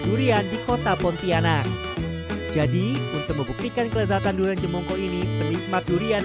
durian di kota pontianak jadi untuk membuktikan kelezatan durian jemongko ini penikmat durian